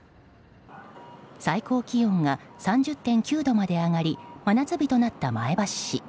最高気温が３０．９度まで上がり真夏日となった前橋市。